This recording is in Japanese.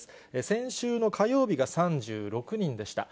先週の火曜日が３６人でした。